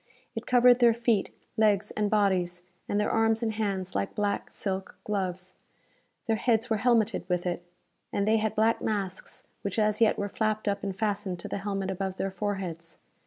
It covered their feet, legs and bodies; and their arms and hands like black, silk gloves. Their heads were helmeted with it. And they had black masks which as yet were flapped up and fastened to the helmet above their foreheads.